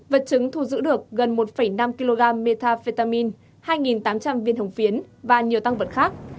vật chứng thu giữ được gần một năm kg metafetamine hai tám trăm linh viên hồng phiến và nhiều tăng vật khác